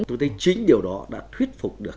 tôi thấy chính điều đó đã thuyết phục được